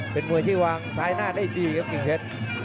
เป็นมวยที่วางซ้ายหน้าได้ดีครับกิ่งเพชร